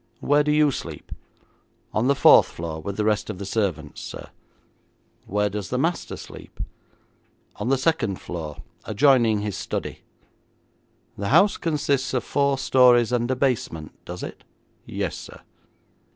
'Where do you sleep?' 'On the fourth floor with the rest of the servants, sir.' 'Where does the master sleep?' 'On the second floor, adjoining his study.' 'The house consists of four stories and a basement, does it?' 'Yes, sir.'